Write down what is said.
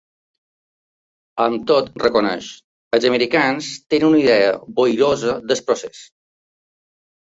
Amb tot, reconeix: ‘Els americans tenen una idea ‘boirosa del procés’.